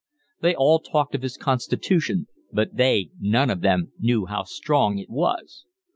They all talked of his constitution, but they none of them knew how strong it was.